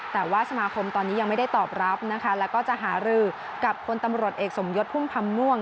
แต่ว่าสมาคมตอนนี้ยังไม่ได้ตอบรับนะคะแล้วก็จะหารือกับคนตำรวจเอกสมยศพุ่มพันธ์ม่วง